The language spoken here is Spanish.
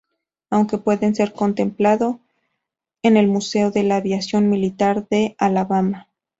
Aún puede ser contemplado en el museo de la aviación militar de Alabama.